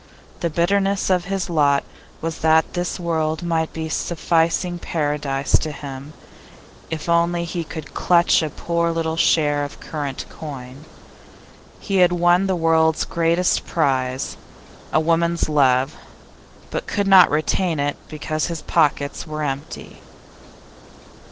The bitterness of his lot was that this world might be a sufficing paradise to him if only he could clutch a poor little share of current coin. He had won the world's greatest prize a woman's love but could not retain it because his pockets were empty.